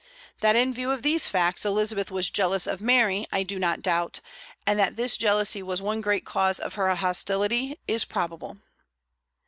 That in view of these facts Elizabeth was jealous of Mary I do not doubt; and that this jealousy was one great cause of her hostility is probable.